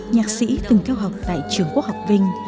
nhạc sĩ từng theo học tại trường quốc học vinh